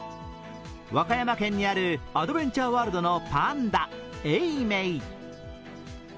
和歌山県にあるアドベンチャーワールドのパンダ、永明。